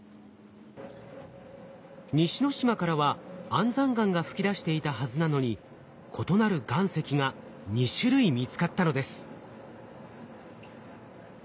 西之島からは安山岩が噴き出していたはずなのに異なる岩石が２種類見つかったのです。